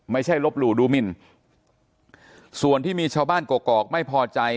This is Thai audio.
ไม่ใช่ลบหลู่ดูหมินส่วนที่มีชาวบ้านกกอกไม่พอใจ